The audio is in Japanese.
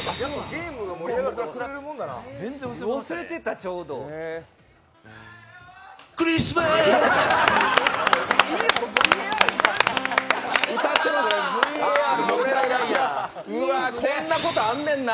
ゲームが盛り上がると忘れるもんだな。